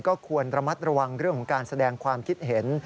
ก็ควรระมัดระวังการแสดงความคิดเห็น